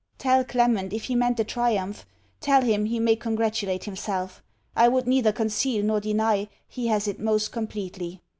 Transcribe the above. Tell Clement, if he meant a triumph, tell him he may congratulate himself. I would neither conceal nor deny, he has it most completely.